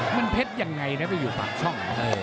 มันเพชรยังไงนะไปอยู่ปากช่อง